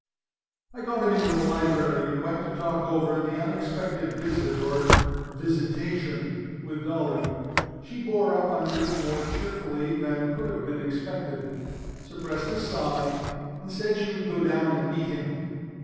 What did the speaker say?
I got him into the library, and went to talk over this unexpected visit or visitation with Dolly. She bore up under it more cheerfully than could have been expected suppressed a sigh and said she would go down and meet him.